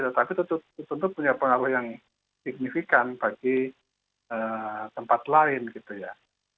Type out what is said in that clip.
tetapi tentu punya pengaruh yang signifikan bagi tempat lain gitu ya